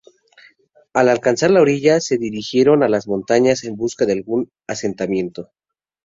Al alcanzar la orilla, se dirigieron a las montañas, en busca de algún asentamiento.